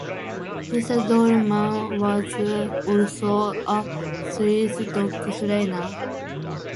Mr. Dolleman was also a sled dog trainer.